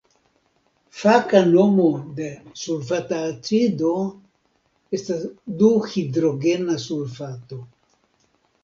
Faka nomo de sulfata acido estas du-hidrogena sulfato.